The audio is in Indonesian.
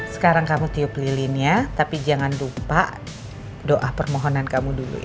sekarang kamu tiup lilinnya tapi jangan lupa doa permohonan kamu dulu